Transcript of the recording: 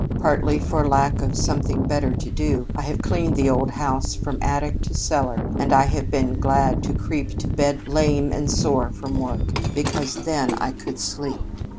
"Partly for lack of something better to do I have cleaned the old house from attic to cellar, and have been glad to creep to bed lame and sore from work, because then I could sleep.